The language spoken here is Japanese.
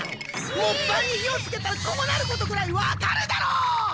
もっぱんに火をつけたらこうなることぐらいわかるだろ！